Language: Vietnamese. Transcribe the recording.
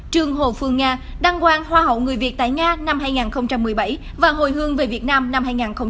trương hồ phương nga đăng quan hoa hậu người việt tại nga năm hai nghìn một mươi bảy và hồi hương về việt nam năm hai nghìn chín